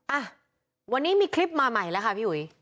อ่ะวันนี้มีคลิปมาใหม่แล้วค่ะพี่อุ๋ย